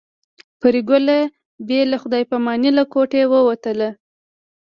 پري ګله بې له خدای په امانۍ له کوټې ووتله